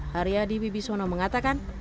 haryadi bibisono mengatakan